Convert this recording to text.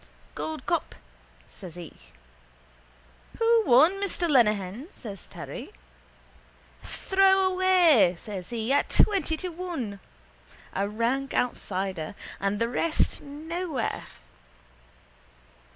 —Gold cup, says he. —Who won, Mr Lenehan? says Terry. —Throwaway, says he, at twenty to one. A rank outsider. And the rest nowhere.